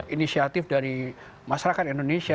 inisiatif dari masyarakat indonesia